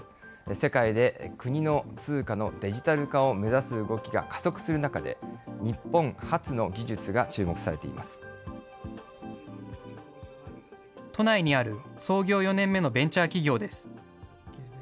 世界で国の通貨のデジタル化を目指す動きが加速する中で、日本発都内にある創業４年目のベンチャー企業です。